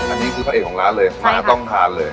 อันนี้คือพระเอกของร้านเลยม้าต้องทานเลย